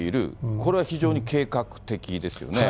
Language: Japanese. これは非常に計画的ですよね。